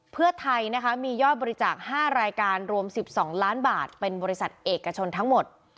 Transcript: เพื่อไทยนะคะมียอดบริจาค๕รายการรวม๑๒ล้านบาทเป็นบริษัทเอกชนทั้งหมด